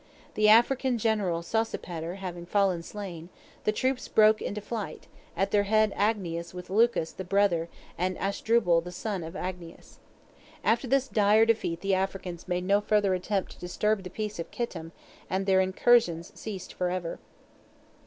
The African general Sosipater having fallen slain, the troops broke into flight, at their head Agnias with Lucus the brother and Asdrubal the son of Agnias. After this dire defeat the Africans made no further attempt to disturb the peace of Kittim, and their incursions ceased forever.